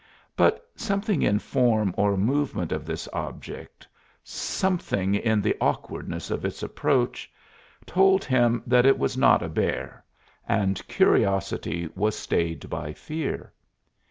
But something in form or movement of this object something in the awkwardness of its approach told him that it was not a bear, and curiosity was stayed by fear.